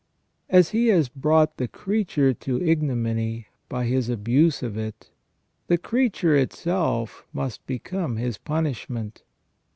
As he has brought the creature to ignominy by his abuse of it, the creature itself must become his punishment.